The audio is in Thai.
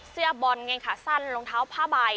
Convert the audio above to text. เสื้อบอลกางเกงขาสั้นรองเท้าผ้าใบ